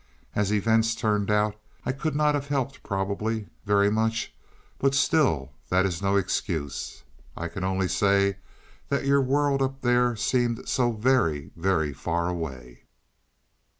As events turned out I could not have helped probably, very much, but still that is no excuse. I can only say that your world up there seemed so very very far away.